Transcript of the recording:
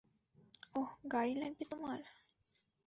ওহ, গাড়ি লাগবে তোমার?